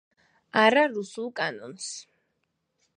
არა რუსულ კანონს